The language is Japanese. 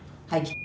はい」